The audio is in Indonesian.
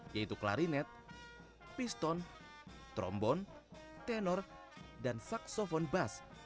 yaitu klarinet piston trombon tenor dan saksofon bus